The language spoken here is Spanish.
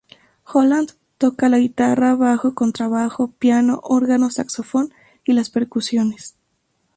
Holland toca la guitarra, bajo, contrabajo, piano, órgano, saxofón y las percusiones.